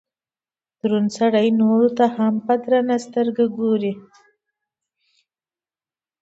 دروند سړئ نورو ته هم درانه ګوري